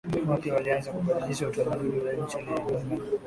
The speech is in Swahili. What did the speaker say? wapya walianza kubadilisha utamaduni wa nchi Aliyejiunga na